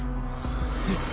えっ？